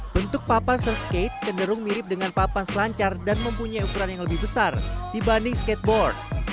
bentuk papan surf skate cenderung mirip dengan papan selancar dan mempunyai ukuran yang lebih besar dibanding skateboard